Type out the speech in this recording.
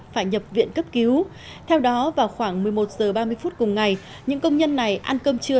phải nhập viện cấp cứu theo đó vào khoảng một mươi một h ba mươi phút cùng ngày những công nhân này ăn cơm trưa